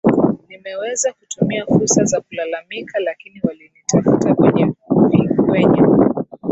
nimeweza kutumia fursa za kulalamika lakini walinitafuta kwenye vi kwenye